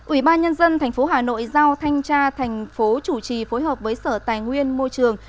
ủy ban nhân dân tp hà nội giao thanh tra thành phố chủ trì phối hợp với sở tài nguyên môi trường